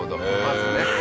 まずね。